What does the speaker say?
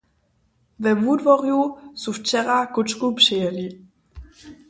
We Wudworju su wčera kóčku přejěli.